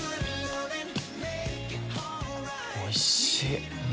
おいしい！